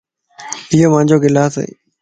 ايو مانجو گلاس ائي